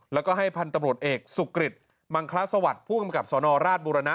แล้วก็ให้พตเอกสุกฤทธิ์มังคลาสวรรษผู้กำกับสนราชบูรณะ